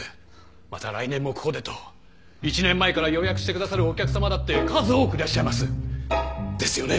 また来年もここでと１年前から予約してくださるお客さまだって数多くいらっしゃいます。ですよね？